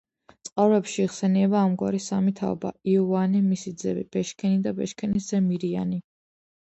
წყაროებში იხსენიება ამ გვარის სამი თაობა: იოვანე, მისი ძე ბეშქენი და ბეშქენის ძე მირიანი.